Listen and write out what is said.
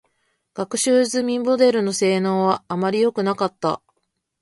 学習済みモデルの性能は、あまりよくなかった。